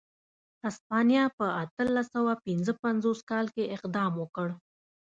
هسپانیا په اتلس سوه پنځه پنځوس کال کې اقدام وکړ.